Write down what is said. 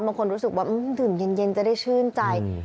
บางคนรู้สึกว่าอื้มดื่มเย็นจะได้ชื่นใจ